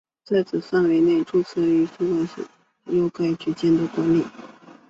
在此范围内注册的与通信相关的产业均由该局监督管理。